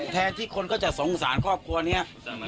แทนที่คนก็จะสงสารครอบครัวนี้